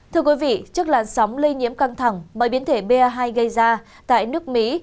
thưa quý vị trước làn sóng lây nhiễm căng thẳng bởi biến thể ba hai gây ra tại nước mỹ